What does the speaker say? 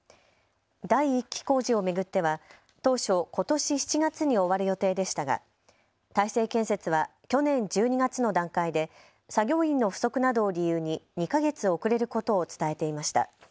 第１期工事を巡っては当初、ことし７月に終わる予定でしたが大成建設は去年１２月の段階で作業員の不足などを理由に２か月遅れることを伝えていました。